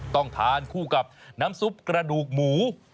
ต้องทานคู่กับน้ำซุปกระดูกหมู